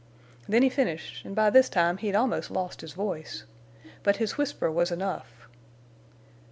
"Then he finished, an' by this time he'd almost lost his voice. But his whisper was enough.